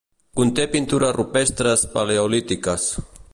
Conté pintures rupestres paleolítiques.